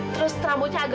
terus rambutnya agak gede